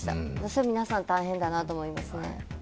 それは皆さん、大変だなと思いますね。